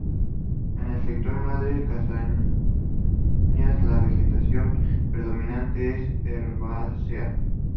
En el sector de Madre Casañas la vegetación predominante es herbácea.